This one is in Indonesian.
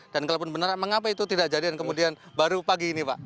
dan kalaupun benar mengapa itu tidak jadikan kemudian baru pagi ini pak